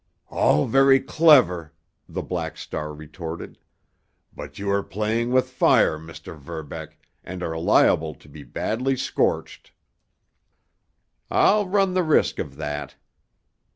"All very clever," the Black Star retorted. "But you are playing with fire, Mr. Verbeck, and are liable to be badly scorched." "I'll run the risk of that."